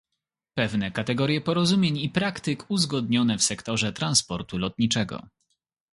Pewne kategorie porozumień i praktyk uzgodnione w sektorze transportu lotniczego